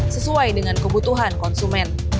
sesuai dengan kebutuhan konsumen